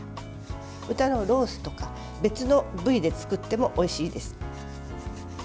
豚のロースとか別の部位で作ってもおいしいです。